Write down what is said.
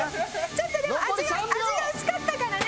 ちょっとでも味が味が薄かったからね。